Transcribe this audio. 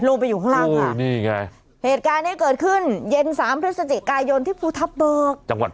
โอ้โฮ